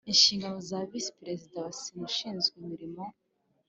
Inshingano za Visi Perezida wa Sena ushinzwe imirimo